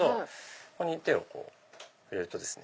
ここに手をやるとですね